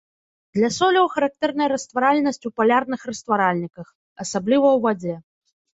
Для соляў характэрная растваральнасць у палярных растваральніках, асабліва ў вадзе.